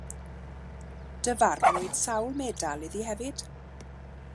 Dyfarnwyd sawl medal iddi hefyd.